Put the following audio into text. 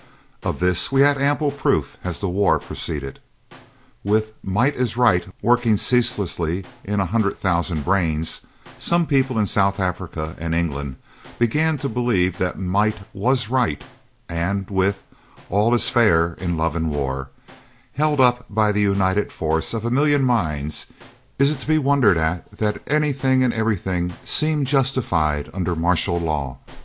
Of this we had ample proof as the war proceeded. With "Might is right" working ceaselessly in a hundred thousand brains, some people in South Africa and England began to believe that might was right, and with "All is fair in love and war" held up by the united force of a million minds, is it to be wondered at that anything and everything seemed justified under martial law?